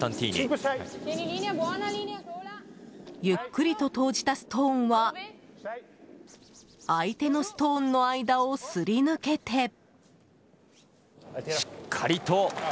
ゆっくりと投じたストーンは相手のストーンの間をすり抜けて。